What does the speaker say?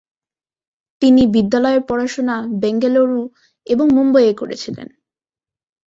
তিনি বিদ্যালয়ের পড়াশুনা বেঙ্গালুরু এবং মুম্বইয়ে করেছিলেন।